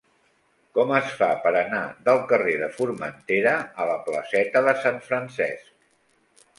Com es fa per anar del carrer de Formentera a la placeta de Sant Francesc?